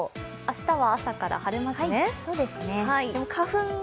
明日は朝から晴れますね。